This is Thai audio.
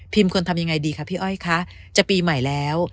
ควรทำยังไงดีคะพี่อ้อยคะจะปีใหม่แล้ว